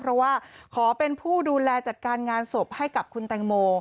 เพราะว่าขอเป็นผู้ดูแลจัดการงานศพให้กับคุณแตงโม